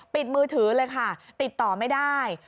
มือถือเลยค่ะติดต่อไม่ได้